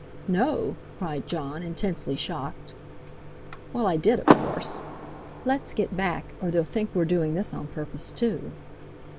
"No!" cried Jon, intensely shocked. "Well, I did, of course. Let's get back, or they'll think we're doing this on purpose too."